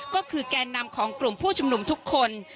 ก็คือแกนนำของกลุ่มผู้ชุมนุมทุกคน